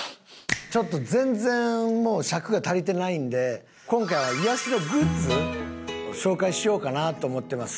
ちょっと全然もう尺が足りてないんで今回は癒やしのグッズ紹介しようかなと思ってます。